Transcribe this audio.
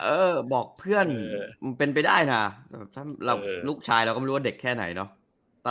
เออบอกเพื่อนเป็นไปได้น่ะแบบถ้าเราลูกชายเราก็ไม่รู้ว่าเด็กแค่ไหนเนอะ